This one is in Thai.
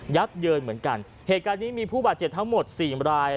เยินเหมือนกันเหตุการณ์นี้มีผู้บาดเจ็บทั้งหมดสี่ราย